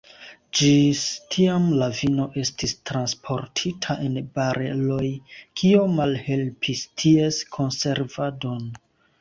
Ĝis tiam la vino estis transportita en bareloj, kio malhelpis ties konservadon.